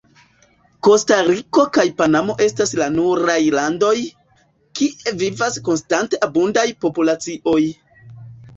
Kostariko kaj Panamo estas la nuraj landoj, kie vivas konstante abundaj populacioj.